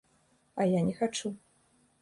А я не хачу.